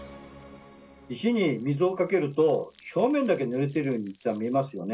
石に水をかけると表面だけぬれてるように見えますよね。